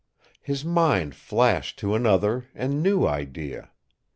His mind flashed to another and new idea.